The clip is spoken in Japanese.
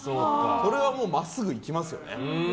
それは、真っすぐ行きますよね。